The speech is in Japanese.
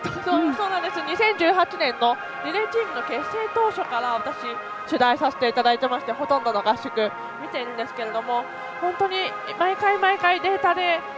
２０１８年のリレーチームの結成当初から私、取材させていただいていてほとんどの合宿を見ているんですが本当に毎回、毎回データで。